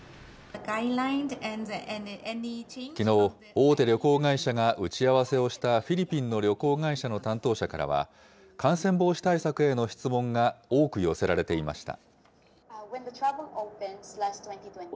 きのう、大手旅行会社が打ち合わせをしたフィリピンの旅行会社の担当者からは、感染防止対策への質問が多く寄せられていました。